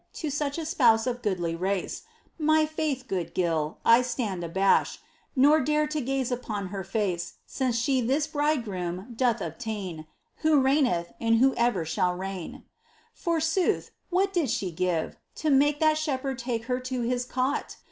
To such a Spouse of goodly race ! My faith, good Gil ! I stand abashed. Nor dare to gaze upon her face Since she this Bridegroom doth obtain. Who reigneth, and Who e'er shall reign ! Forsooth, what did she give, to make That Shepherd take her to His cot ? 32 MINOR WORKS OF ST. TERESA.